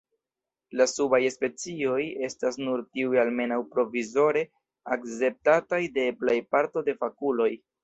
La subaj specioj estas nur tiuj almenaŭ provizore akceptataj de plej parto de fakuloj.